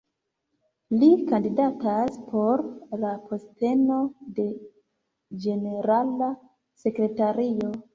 Li kandidatas por la posteno de ĝenerala sekretario.